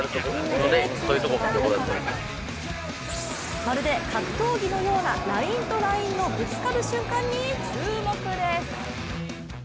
まるで格闘技のようなラインとラインのぶつかる瞬間に注目です。